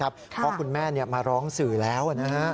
เพราะคุณแม่มาร้องสื่อแล้ว